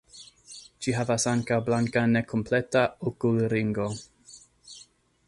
Ĝi havas ankaŭ blanka nekompleta okulringo.